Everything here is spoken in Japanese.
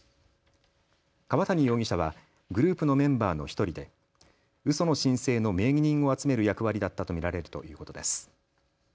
川谷容疑者はグループのメンバーの１人でうその申請の名義人を集める役割だったと見られるということです。